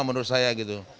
menurut saya gitu